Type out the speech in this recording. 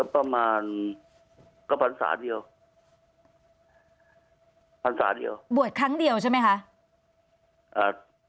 พันธาเดียวบวชครั้งเดียวใช่ไหมคะอ่า